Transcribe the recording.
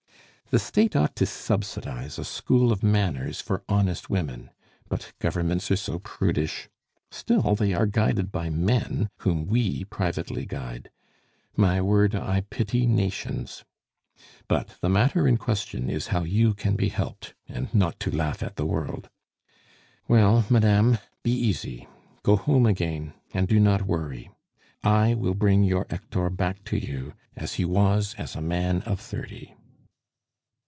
"The State ought to subsidize a school of manners for honest women! But governments are so prudish! Still, they are guided by men, whom we privately guide. My word, I pity nations! "But the matter in question is how you can be helped, and not to laugh at the world. Well, madame, be easy, go home again, and do not worry. I will bring your Hector back to you as he was as a man of thirty."